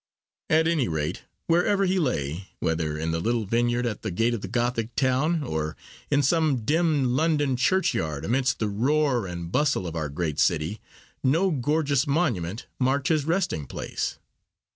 At any rate, wherever he lay—whether in the little vineyard at the gate of the Gothic town, or in some dim London churchyard amidst the roar and bustle of our great city—no gorgeous monument marked his resting place.